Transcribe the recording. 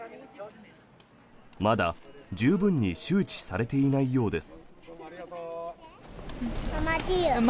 まだ、十分に周知されていないようです。